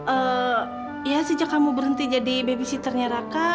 eh ya sejak kamu berhenti jadi babysitternya raka